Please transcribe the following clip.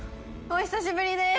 お久しぶりです。